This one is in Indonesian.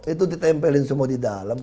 itu ditempelin semua di dalam